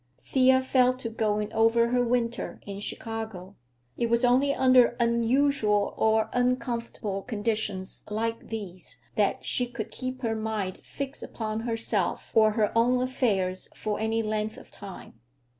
Thea fell to going over her winter in Chicago. It was only under unusual or uncomfortable conditions like these that she could keep her mind fixed upon herself or her own affairs for any length of time.